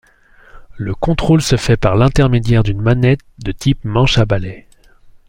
Le contrôle se fait par l'intermédiaire d'une manette de type manche à balai.